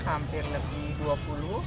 hampir lebih dua puluh